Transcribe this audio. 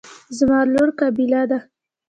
زما لور قابله ده.